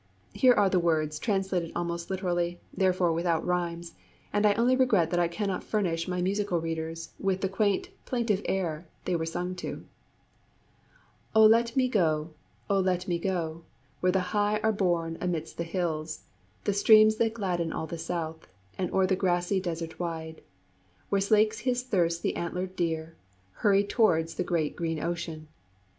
Here are the words translated almost literally, therefore without rhymes, and I only regret that I cannot furnish my musical readers with the quaint, plaintive air they were sung to: O let me go O let me go, Where high are born amidst the hills The streams that gladden all the south, And o'er the grassy desert wide, Where slakes his thirst the antlered deer, Hurry towards the great green ocean.